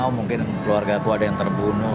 oh mungkin keluarga aku ada yang terbunuh